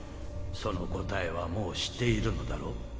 その答えはもう知っているのだろう？